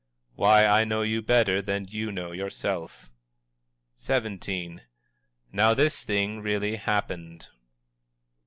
"Why, I know you better than you know yourself!" XVII. "Now, this thing really happened!"